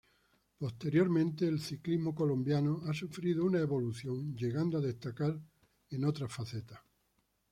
Posteriormente, el ciclismo colombiano ha sufrido una evolución, llegando a destacar en otras facetas.